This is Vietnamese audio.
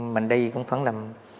mình đi cũng khoảng là